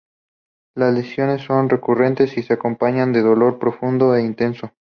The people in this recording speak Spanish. Las lesiones son recurrentes y se acompañan de dolor profundo e intenso.